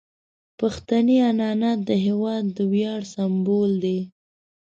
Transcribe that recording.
پښتني عنعنات د هیواد د ویاړ سمبول دي.